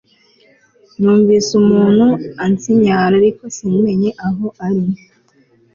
numvise umuntu ansinyara ariko simenye aho ari